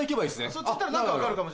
そっち行ったら何か分かるかも。